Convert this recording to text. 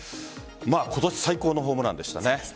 今年最高のホームランでしたね。